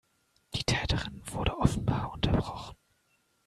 Die Täterin wurde offenbar unterbrochen.